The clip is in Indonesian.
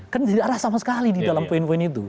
kan tidak ada sama sekali di dalam poin poin itu